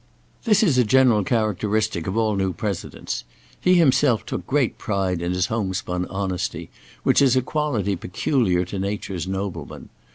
This is a general characteristic of all new presidents. He himself took great pride in his home spun honesty, which is a quality peculiar to nature's noblemen.